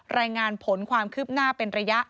รายงานผลความคืบหน้าเป็นระยะ